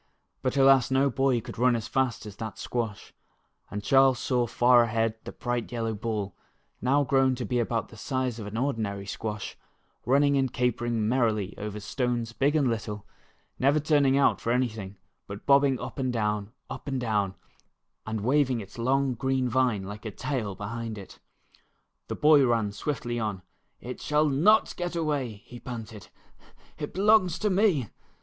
But, alas, no boy could run as fast as that squash, and Charles saw far ahead the bright yellow ball now grown to be about the size of an ordinary squash, running and capering merrily over stones big and little, never turning out for anything, but bobbing up and down, up and down, and waving its long green vine like a tail behind it. The boy ran swiftly on. " It shall not get away," he panted. "It belongs to me."